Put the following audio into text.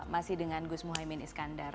masih dengan gus muhaymin iskandar